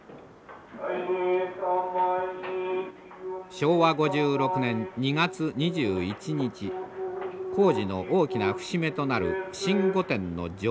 昭和５６年２月２１日工事の大きな節目となる新御殿の上棟式が行われました。